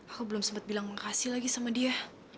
aku belum sempat bilang terima kasih lagi sama dia